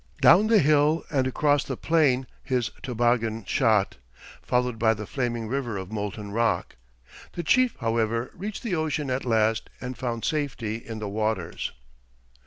Down the hill and across the plain his toboggan shot, followed by the flaming river of molten rock. The chief, however, reached the ocean at last and found safety in the waters.